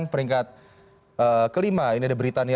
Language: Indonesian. di peringkat kelima ini ada